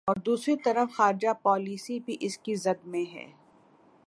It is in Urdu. ا ور دوسری طرف خارجہ پالیسی بھی اس کی زد میں ہے۔